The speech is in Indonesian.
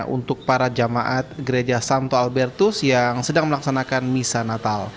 untuk para jemaat gereja santo albertus yang sedang melaksanakan misa natal